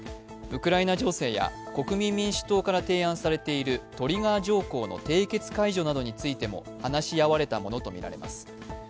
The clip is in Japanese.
ウクライナ情勢や国民民主党から提案されているトリガー条項の凍結解除などについても話し合われたものとみられます。